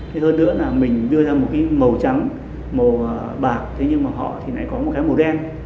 thế hơn nữa là mình đưa ra một cái màu trắng màu bạc thế nhưng mà họ thì lại có một cái màu đen